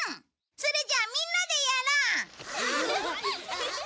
それじゃみんなでやろう。